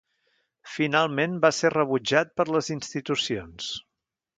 Finalment, va ser rebutjat per les institucions.